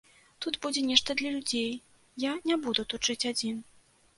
Тут будзе нешта для людзей, я не буду тут жыць адзін.